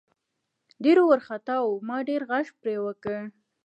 ډېر ورخطا وو ما ډېر غږ پې وکړه .